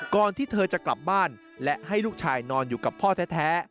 ที่เธอจะกลับบ้านและให้ลูกชายนอนอยู่กับพ่อแท้